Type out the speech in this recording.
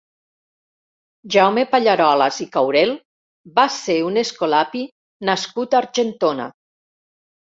Jaume Pallarolas i Caurel va ser un escolapi nascut a Argentona.